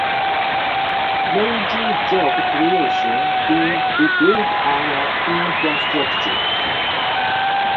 Major job creation to rebuild our infrastructure.